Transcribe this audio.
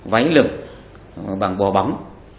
váy lực bằng bò bóng